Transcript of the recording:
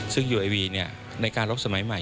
ซึ่งยูเอวีในการลบสมัยใหม่